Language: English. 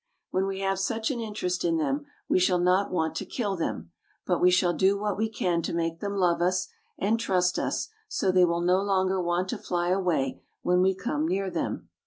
When we have such an interest in them we shall not want to kill them, but we shall do what we can to make them love us and trust us so they will no longer want to fly away when we come near them.